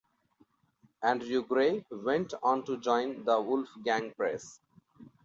Andrew Gray went on to join The Wolfgang Press.